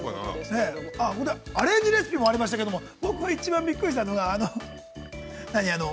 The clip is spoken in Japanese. ◆アレンジレシピもありましたけれども、僕が一番びっくりしたのが、何、あの。